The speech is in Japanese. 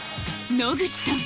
野口さん